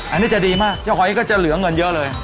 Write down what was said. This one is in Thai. อันนี้จะดีมากเจ้าของหอยก็จะเหลือเงินเยอะเลย